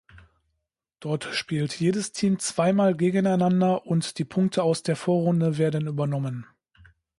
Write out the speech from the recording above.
Dort spielt jedes Team zweimal gegeneinander und die Punkte aus der Vorrunde werden übernommen.